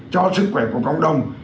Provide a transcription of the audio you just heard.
cho sức khỏe của cộng đồng